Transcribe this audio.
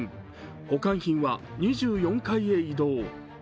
保管品は２４階へ移動。